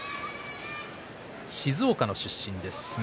静岡の出身です、翠